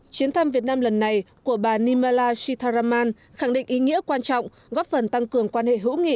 chuyến thăm việt nam lần này của bà nimela sitaraman khẳng định ý nghĩa quan trọng góp phần tăng cường quan hệ hữu nghị